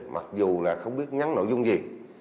mặc dù là không biết nhắn nội dung gì